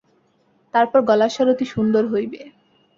তারপর গলার স্বর অতি সুন্দর হইবে।